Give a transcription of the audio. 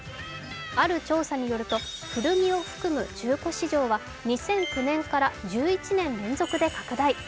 ある調査によると、古着を含む中古市場は２００９年から１１年連続で拡大。